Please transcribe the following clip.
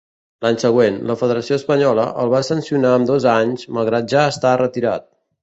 L'any següent, la Federació Espanyola, el va sancionar amb dos anys, malgrat ja estar retirat.